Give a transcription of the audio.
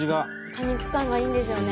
果肉感がいいんですよね。